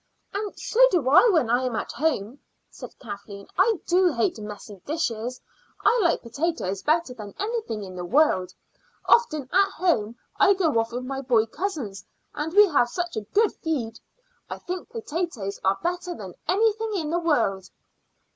"And so do I when I am at home," said Kathleen. "I do hate messy dishes. I like potatoes better than anything in the world. Often at home I go off with my boy cousins, and we have such a good feed. I think potatoes are better than anything in the world."